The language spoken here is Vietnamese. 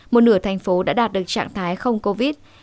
một nửa thành phố đã đạt được trạng thái không covid